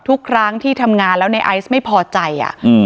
ทุกครั้งที่ทำงานแล้วในไอซ์ไม่พอใจอ่ะอืม